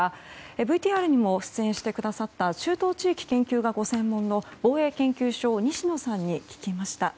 ＶＴＲにも出演してくださった中東地域研究がご専門の防衛省防衛研究所西野さんに聞きました。